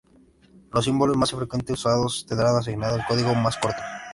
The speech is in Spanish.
Los símbolos más frecuentemente usados tendrán asignados códigos más cortos.